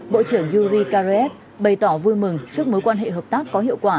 bộ trưởng yuri karev bày tỏ vui mừng trước mối quan hệ hợp tác có hiệu quả